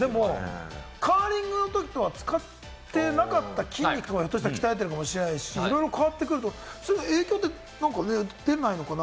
カーリングのときとは使ってなかった筋肉が鍛えてるかもしれないし、いろいろ変わってくると、影響って出ないのかな？